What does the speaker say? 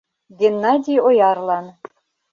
Геннадий Оярлан